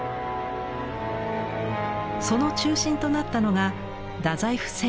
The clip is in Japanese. その中心となったのが大宰府政庁です。